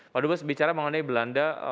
pak dubes bicara mengenai belanda